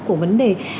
của vấn đề